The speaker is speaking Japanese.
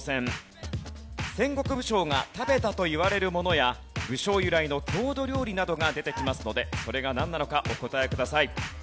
戦国武将が食べたといわれるものや武将由来の郷土料理などが出てきますのでそれがなんなのかお答えください。